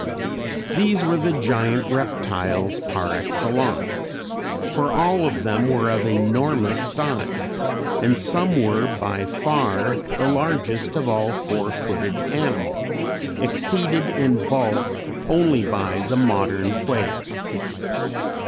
These were the Giant Reptiles par excellence, for all of them were of enormous size, and some were by far the largest of all four footed animals, exceeded in bulk only by the modern whales.